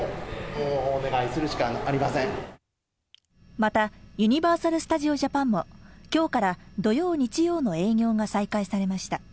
またユニバーサル・スタジオ・ジャパンも今日から土曜・日曜の営業が再開されました。